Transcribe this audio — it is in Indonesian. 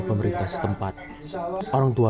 pemerintah setempat orang tua